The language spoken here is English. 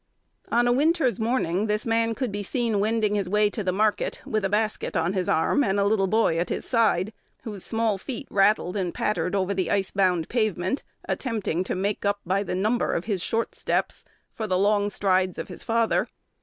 On a winter's morning, this man could be seen wending his way to the market, with a basket on his arm, and a little boy at his side, whose small feet rattled and pattered over the ice bound pavement, attempting to make up by the number of his short steps for the long strides of his father.